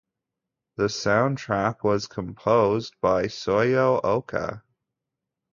The soundtrack was composed by Soyo Oka.